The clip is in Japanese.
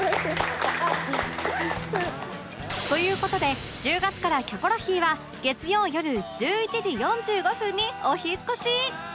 という事で１０月から『キョコロヒー』は月曜よる１１時４５分にお引っ越し！